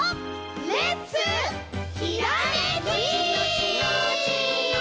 レッツひらめき！